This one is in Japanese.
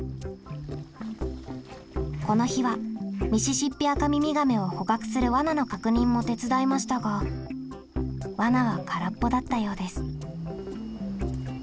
この日はミシシッピアカミミガメを捕獲する罠の確認も手伝いましたが罠は空っぽだったようです。